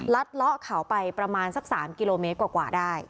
เลาะเขาไปประมาณสัก๓กิโลเมตรกว่าได้